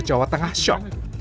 jawa tengah shock